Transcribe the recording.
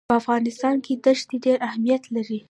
په افغانستان کې دښتې ډېر اهمیت لري.